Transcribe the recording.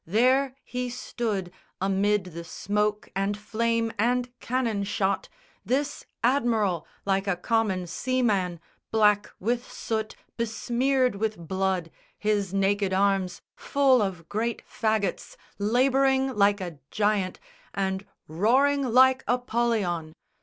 There he stood Amid the smoke and flame and cannon shot, This Admiral, like a common seamen, black With soot, besmeared with blood, his naked arms Full of great faggots, labouring like a giant And roaring like Apollyon.